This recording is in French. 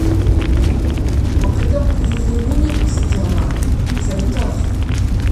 On prétend que vous vous ruinez pour cette Irma ; vous avez tort.